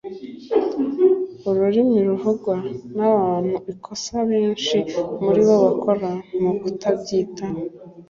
ururimi ruvugwa n abantu ikosa benshi muri bo bakora ni ukutabyitaho